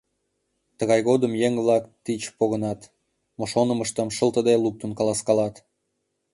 Тыгай годым еҥ-влак тич погынат, мо шонымыштым шылтыде луктын каласкалат.